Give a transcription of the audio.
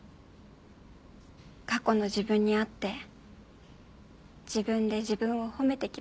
過去の自分に会って自分で自分を褒めてきました。